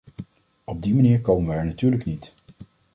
Op die manier komen wij er natuurlijk niet.